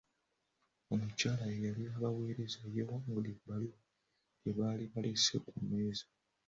Omukyala eyali abaweereza yeewangulira ebbaluwa gye baali balese ku mmeeza.